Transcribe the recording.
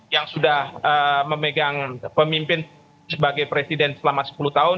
yang sudah memegang pemimpin sebagai presiden selama sepuluh tahun